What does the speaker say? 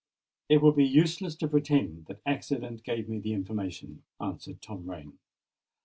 "It would be useless to pretend that accident gave me the information," answered Tom Rain.